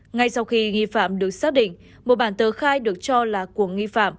ngay sau khi nghi phạm được xác định một bản tờ khai được cho là của nghi phạm